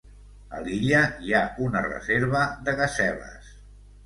A l'illa hi ha una reserva de gaseles.